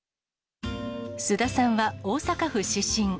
菅田さんは大阪府出身。